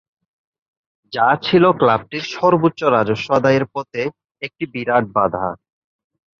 যা ছিল ক্লাবটির সর্বোচ্চ রাজস্ব আদায়ের পথে একটি বিরাট বাধা।